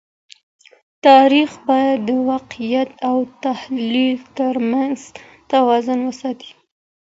تاریخ باید د واقعیت او تخیل تر منځ توازن وساتي.